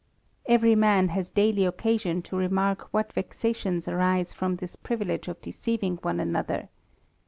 Every man has daily occasion to remark what vexations arise from this privilege of deceiving one another.